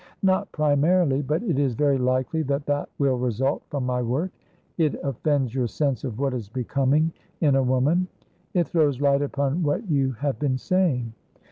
"Not primarily; but it is very likely that that will result from my work. It offends your sense of what is becoming in a woman?" "It throws light upon what you have been saying."